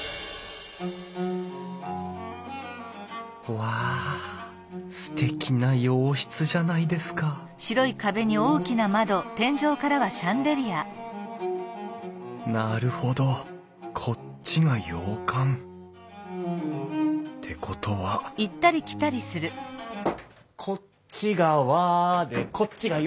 わあすてきな洋室じゃないですかなるほどこっちが洋館。ってことはこっちが和でこっちが洋。